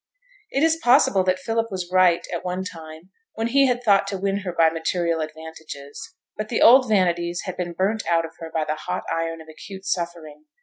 It is possible that Philip was right at one time when he had thought to win her by material advantages; but the old vanities had been burnt out of her by the hot iron of acute suffering.